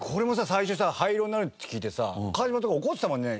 最初さ灰色になるって聞いてさ川島とか怒ってたもんね。